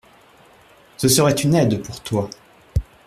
Ce serait une aide pour toi.